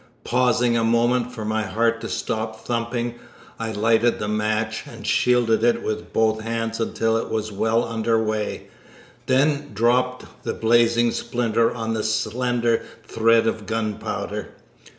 Pausing a moment for my heart to stop thumping, I lighted the match and shielded it with both hands until it was well under way, and then dropped the blazing splinter on the slender thread of gunpowder.